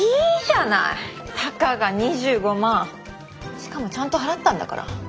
しかもちゃんと払ったんだから。